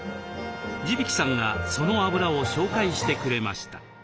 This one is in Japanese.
地曳さんがそのあぶらを紹介してくれました。